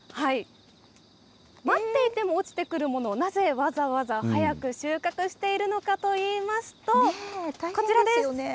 待っていても落ちてくるものを、なぜわざわざ早く収穫しているのかといいますと、こちらです。